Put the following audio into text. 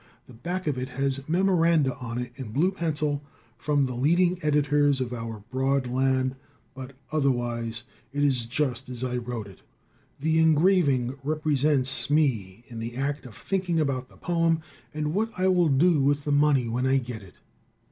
The back of it has a memoranda on it in blue pencil from the leading editors of our broad land, but otherwise it is just as I wrote it. The engraving represents me in the act of thinking about the poem, and what I will do with the money when I get it.